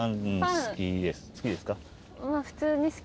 好きですか？